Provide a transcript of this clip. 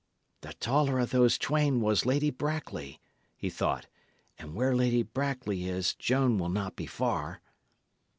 "The taller of these twain was Lady Brackley," he thought; "and where Lady Brackley is, Joan will not be far."